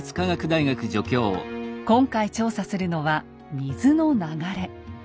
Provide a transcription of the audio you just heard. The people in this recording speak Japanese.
今回調査するのは水の流れ。